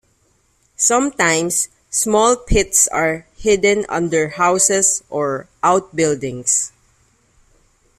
Sometimes small pits are hidden under houses or outbuildings.